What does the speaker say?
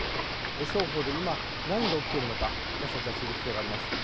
双方で今何が起きてるのか私たちは知る必要があります